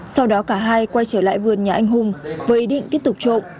sau đó cả hai quay trở lại vườn nhà anh hùng với ý định tiếp tục trộm